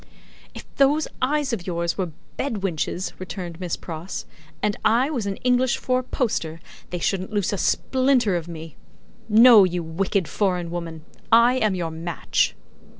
"If those eyes of yours were bed winches," returned Miss Pross, "and I was an English four poster, they shouldn't loose a splinter of me. No, you wicked foreign woman; I am your match."